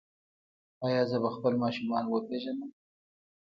ایا زه به خپل ماشومان وپیژنم؟